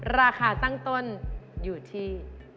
ราคาตั้งต้นอยู่ที่